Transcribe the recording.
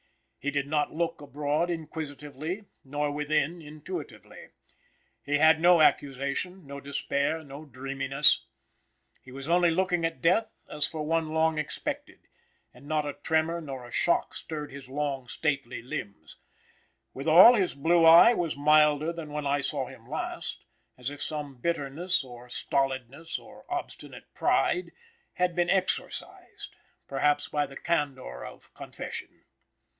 He did not look abroad inquisitively, nor within intuitively. He had no accusation, no despair, no dreaminess. He was only looking at death as for one long expected, and not a tremor nor a shock stirred his long stately limbs; withal, his blue eye was milder than when I saw him last, as if some bitterness, or stolidness, or obstinate pride had been exorcised, perhaps by the candor of confession.